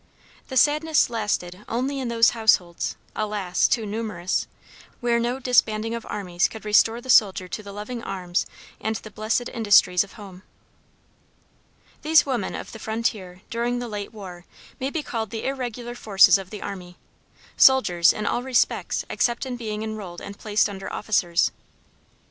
The sadness lasted only in those households alas! too numerous where no disbanding of armies could restore the soldier to the loving arms and the blessed industries of home." These women of the frontier during the late war may be called the irregular forces of the army, soldiers in all respects except in being enrolled and placed under officers.